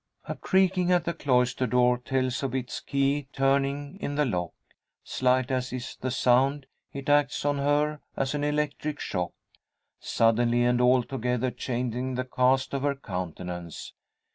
A creaking at the cloister door tells of its key turning in the lock. Slight as is the sound, it acts on her as an electric shock, suddenly and altogether changing the cast of her countenance.